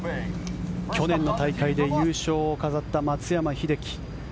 去年の大会で優勝を飾った松山英樹。